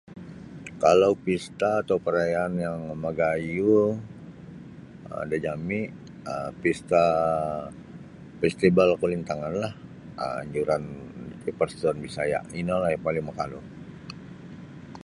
Kalau pista atau parayaan yang magayuh um da jami' um pista festival kulintanganlah um anjuran Persatuan Bisaya' inolah yang paling makalu.